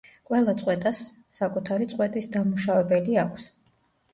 ყველა წყვეტას საკუთარი წყვეტის დამმუშავებელი აქვს.